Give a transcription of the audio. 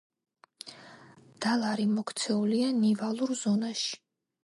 დალარი მოქცეულია ნივალურ ზონაში.